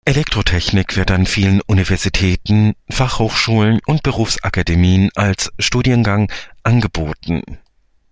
Elektrotechnik wird an vielen Universitäten, Fachhochschulen und Berufsakademien als Studiengang angeboten.